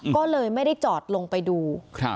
ก็เลยไม่ได้จอดลงไปดู